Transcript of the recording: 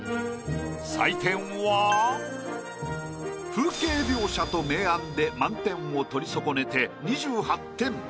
採点は風景描写と明暗で満点を取り損ねて２８点。